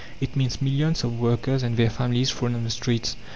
It means millions of workers and their families thrown on the streets.